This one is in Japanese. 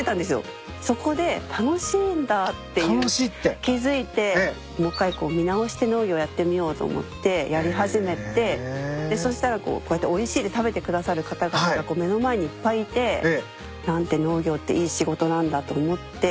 そこで楽しいんだっていう気付いてもう一回見直して農業やってみようと思ってやり始めてでそしたらこうやっておいしいって食べてくださる方々が目の前にいっぱいいて。と思って農業に。